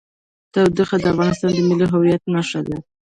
تودوخه د افغانستان د ملي هویت نښه ده.